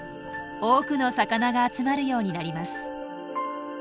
多くの魚が集まるようになります。